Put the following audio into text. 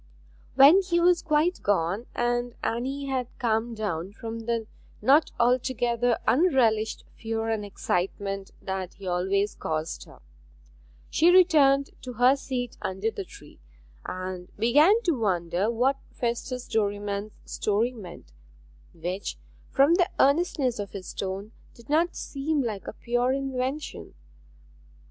When he was quite gone, and Anne had calmed down from the not altogether unrelished fear and excitement that he always caused her, she returned to her seat under the tree, and began to wonder what Festus Derriman's story meant, which, from the earnestness of his tone, did not seem like a pure invention.